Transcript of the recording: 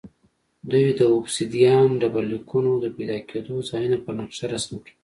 دوی د اوبسیدیان ډبرلیکونو د پیدا کېدو ځایونه پر نقشه رسم کړل